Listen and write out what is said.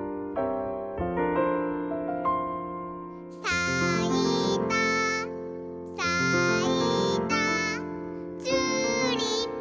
「さいたさいたチューリップのはなが」